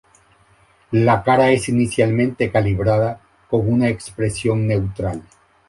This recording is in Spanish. La cara es inicialmente calibrada con una expresión neutral.